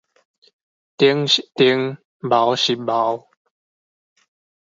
丁是丁，卯是卯